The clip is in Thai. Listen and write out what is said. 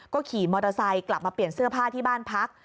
ก็ขี่มอเตอร์ไซค์กลับมาเปลี่ยนเสื้อผ้าที่บ้านพัก